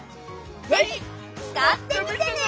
是非使ってみてね！